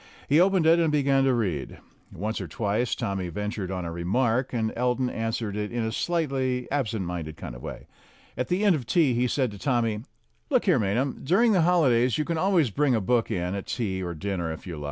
He opened it and began to read. Once or twice Tommy ventured on a remark, and Elton answered in a slightly absent minded kind of way. At the end of tea he said to Tommy: "Look here, Maynham, during the holidays you can always bring a book in at tea or dinner if you like."